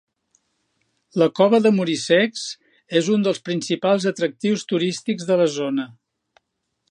La Cova de Muricecs és un dels principals atractius turístics de la zona.